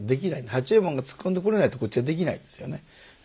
八右衛門が突っ込んでくれないとこっちができないんですよねええ。